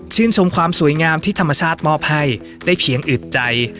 ชมความสวยงามที่ธรรมชาติมอบให้ได้เพียงอึดใจ